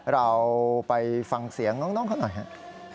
เราไปฟังเสียงน้องเขาหน่อยครับ